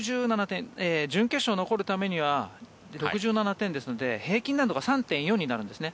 準決勝に残るためには６７点ですので平均難度が３．４になるんですね。